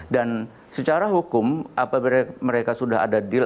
dan secara hukum apabila mereka sudah ada deal